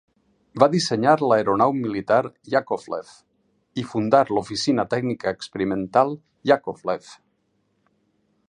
Va dissenyar l'aeronau militar Iàkovlev i fundar l'Oficina Tècnica Experimental Iàkovlev.